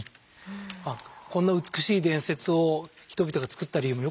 まあこんな美しい伝説を人々が作った理由もよく分かりますね。